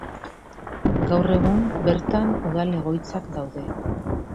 Gaur egun, bertan udal egoitzak daude.